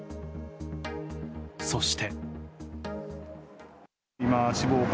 そして。